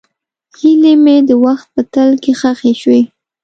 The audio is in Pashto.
هیلې مې د وخت په تل کې ښخې شوې.